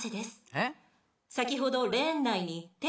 えっ？